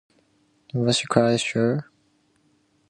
Was she quite sure?